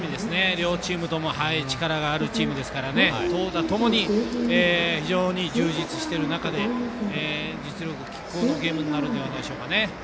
両チームとも力のあるチームですから投打ともに非常に充実している中で実力きっ抗のゲームとなるんじゃないでしょうかね。